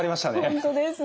本当ですね。